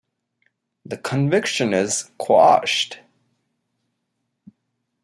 The conviction is quashed.